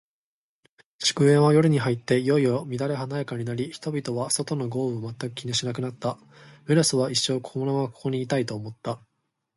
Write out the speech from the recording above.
祝宴は、夜に入っていよいよ乱れ華やかになり、人々は、外の豪雨を全く気にしなくなった。メロスは、一生このままここにいたい、と思った。